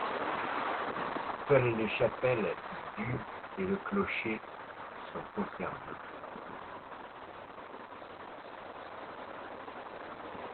Seules les chapelles du et le clocher sont conservés.